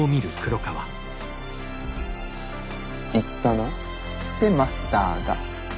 言ったな？ってマスターが。